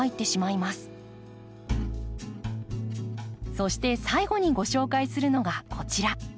そして最後にご紹介するのがこちら。